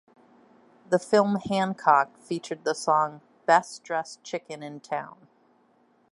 The film Hancock featured the song "Best Dressed Chicken in Town".